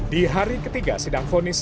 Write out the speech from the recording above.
di hari ketiga sidang fonis